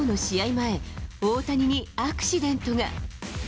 前、大谷にアクシデントが。